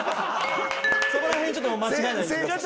そこら辺ちょっと間違えないでください。